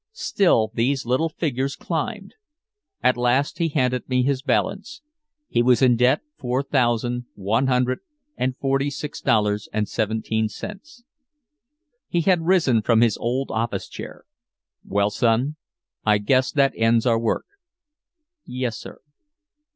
Still these little figures climbed. At last he handed me his balance. He was in debt four thousand, one hundred and forty six dollars and seventeen cents. He had risen from his old office chair: "Well, son, I guess that ends our work." "Yes, sir."